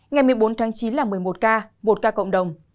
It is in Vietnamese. ngày một mươi bốn tháng chín là một mươi một ca một ca cộng đồng